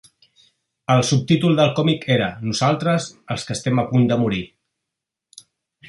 El subtítol del còmic era "Nosaltres, els qui estem a punt de morir".